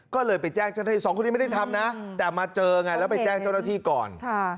ก็เลยไปแจ้งเจ้าหน้าที่สองคนนี้ไม่ได้ทำนะแต่มาเจอไงแล้วไปแจ้งเจ้าหน้าที่ก่อน